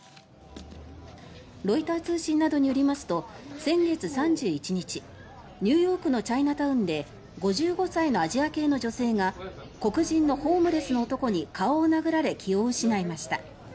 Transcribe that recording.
ロイター通信などによりますと先月３１日ニューヨークのチャイナタウンで５５歳のアジア系の女性が黒人のホームレスの男に顔を殴られ気を失いました。